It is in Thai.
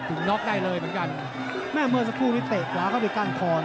ถึงน็อกได้เลยเหมือนกันไม่เมื่อสักครู่ไม่เตะกล้าเข้าไปก้านคอนหรอ